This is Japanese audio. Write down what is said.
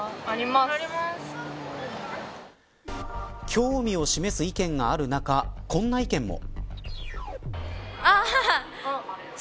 興味を示す意見がある中こんな意見も。